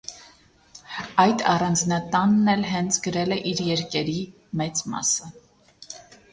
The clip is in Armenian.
Այդ առանձնատանն էլ հենց գրել է իր երկերի մեծ մասը։